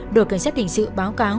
được cảnh sát hình sự báo cáo